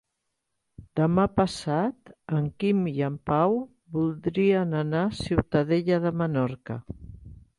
Demà passat en Quim i en Pau voldrien anar a Ciutadella de Menorca.